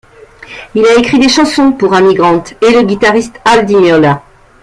Il a écrit des chansons pour Amy Grant et le guitariste Al Di Meola.